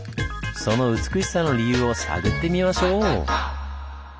その美しさの理由を探ってみましょう！